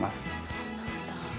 そうなんだ。